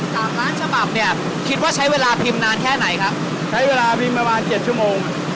สามล้านฉบับเนี่ยคิดว่าใช้เวลาพิมพ์นานแค่ไหนครับใช้เวลาพิมพ์ประมาณเจ็ดชั่วโมง